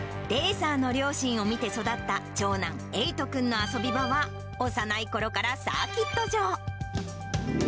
レーサーの両親を見て育った長男、瑛斗君の遊び場は幼いころからサーキット場。